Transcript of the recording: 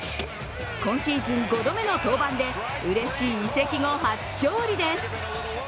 今シーズン５度目の登板で、うれしい移籍後初勝利です。